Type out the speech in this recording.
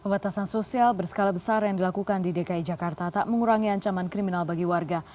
pembatasan sosial berskala besar yang dilakukan di dki jakarta tak mengurangi ancaman kriminal bagi warga